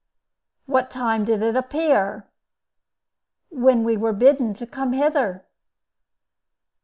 "What time did it appear?" "When we were bidden come hither."